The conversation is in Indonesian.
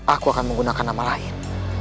aku akan menggunakan nama lain